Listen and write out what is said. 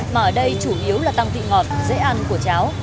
mà ở đây chủ yếu là tăng vị ngọt dễ ăn của cháo